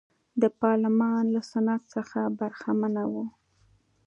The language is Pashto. د پارلمان له سنت څخه برخمنه وه.